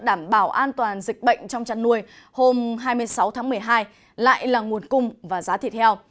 đảm bảo an toàn dịch bệnh trong chăn nuôi hôm hai mươi sáu tháng một mươi hai lại là nguồn cung và giá thịt heo